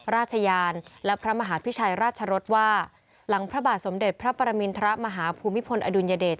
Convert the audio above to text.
ยานและพระมหาพิชัยราชรสว่าหลังพระบาทสมเด็จพระปรมินทรมาฮภูมิพลอดุลยเดช